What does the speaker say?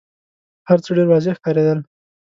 هرڅه ډېر واضح ښکارېدل.